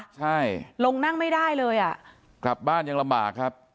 ใช่ลงนั่งไม่ได้เลยอ่ะกลับบ้านยังลำบากครับ